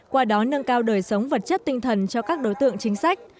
qua đó nâng cao đời sống vật chất tinh thần cho các đối tượng chính sách